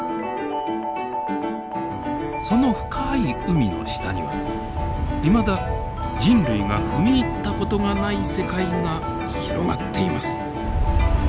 その深い海の下にはいまだ人類が踏み入った事がない世界が広がっています。